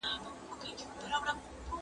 ¬ چي څنگه ئې ځنگل، هغسي ئې چغالان.